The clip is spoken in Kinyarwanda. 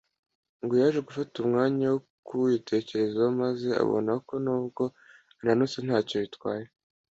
ngo yaje gufata umwanya wo kwitekerezaho maze abona ko n’ubwo ananutse ntacyo bitwaye,